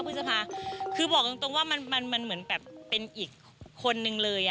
พฤษภาคือบอกตรงว่ามันเหมือนแบบเป็นอีกคนนึงเลย